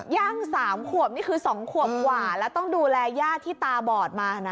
ย่าง๓ขวบนี่คือ๒ขวบกว่าแล้วต้องดูแลย่าที่ตาบอดมานะ